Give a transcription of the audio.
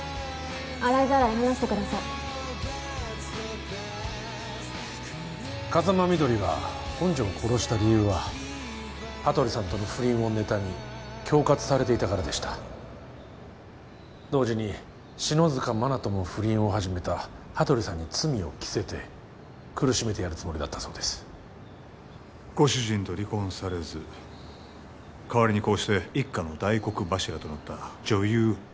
洗いざらい話してください風間みどりが本条を殺した理由は羽鳥さんとの不倫をネタに恐喝されていたからでした同時に篠塚真菜とも不倫を始めた羽鳥さんに罪を着せて苦しめてやるつもりだったそうですご主人と離婚されず代わりにこうして一家の大黒柱となった女優